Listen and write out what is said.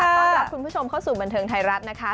วันนี้ก็ต้องรับคุณผู้ชมเข้าสู่บรรเทิงไทรรัฐนะคะ